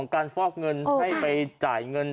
การฟอกเงินให้ไปจ่ายเงิน